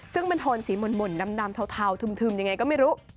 ซึ่งมันโทนสีหม่นดำเทาทึมยังไงก็ไม่รู้